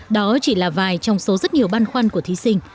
đó chỉ là vài trong số rất nhiều băn khoăn của thí sinh